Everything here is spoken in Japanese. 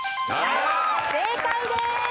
正解です！